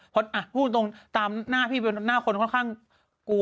พูดตรงตามหน้าพี่หน้าคนค่อนข้างกลัว